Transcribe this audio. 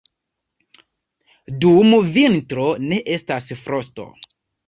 Dum vintro ne estas frosto.